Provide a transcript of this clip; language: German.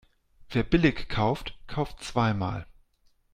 Wer billig kauft, kauft zweimal.